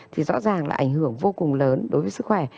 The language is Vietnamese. thì rõ ràng là ảnh hưởng vô cùng lớn đối với sức khỏe